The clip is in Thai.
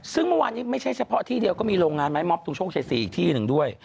ซึ่งเมื่อวานนี้ไม่ใช่เฉพาะที่เดียวก็มีโรงงานไม้มอบตรงโชคชัยศรีอีกที่หนึ่งด้วย